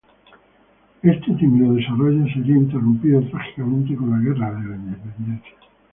Este tímido desarrollo sería interrumpido trágicamente con la Guerra de la Independencia.